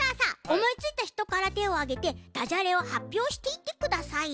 おもいついたひとからてをあげてダジャレをはっぴょうしていってください。